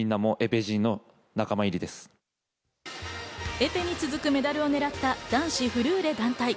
エペに続くメダルをねらった男子フルーレ団体。